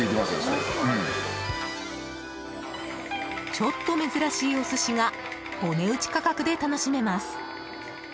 ちょっと珍しいお寿司がお値打ち価格で楽しめます。